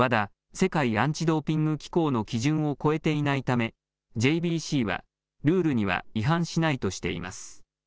世界アンチドーピング機構の基準を超えていないためＪＢＣはルールには違反しないとしています。